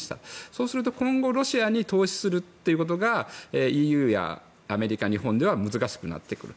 そうすると今後ロシアに投資するということがＥＵやアメリカ、日本では難しくなってくる。